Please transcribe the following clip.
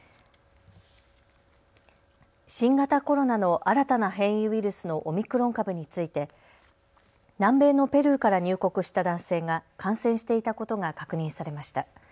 新型コロナの新たな変異ウイルスのオミクロン株について南米のペルーから入国した男性が感染していたことが確認されました。